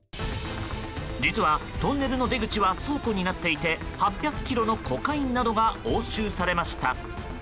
実はトンネルの出口は倉庫になっていて８００ｋｇのコカインなどが押収されました。